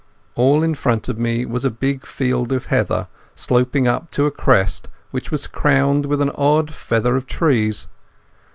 All in front of me was a big field of heather sloping up to a crest which was crowned with an odd feather of trees.